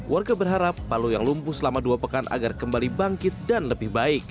warga berharap palu yang lumpuh selama dua pekan agar kembali bangkit dan lebih baik